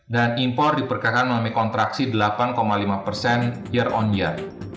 dan impor diperkirakan mengalami kontraksi delapan lima persen year on year